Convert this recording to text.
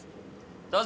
どうぞ！